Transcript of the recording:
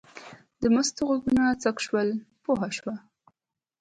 د مستو غوږونه څک شول پوه شوه.